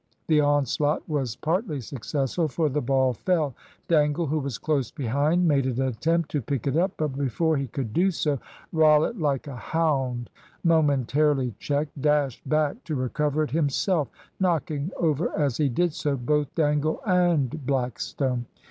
The onslaught was partly successful, for the ball fell. Dangle, who was close behind, made an attempt to pick it up, but before he could do so, Rollitt, like a hound momentarily checked, dashed back to recover it himself, knocking over, as he did so, both Dangle and Blackstone.